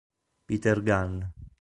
Peter Gunn